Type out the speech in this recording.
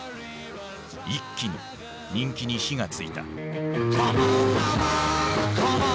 一気に人気に火が付いた。